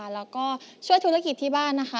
เป็นแปลงแบบอิสระอยู่ค่ะแล้วก็ช่วยธุรกิจที่บ้านนะคะ